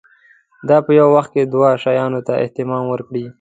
دا په یوه وخت کې دوو شیانو ته اهتمام وکړي.